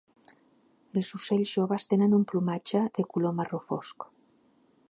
Els ocells joves tenen un plomatge de color marró fosc.